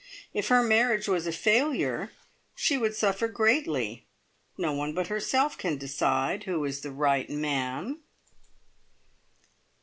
If her marriage was a failure, she would suffer greatly. No one but herself can decide who is the Right Man."